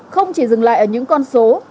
không chỉ dừng lại ở những con số